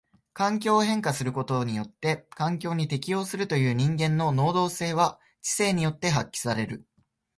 環境を変化することによって環境に適応するという人間の能動性は知性によって発揮される。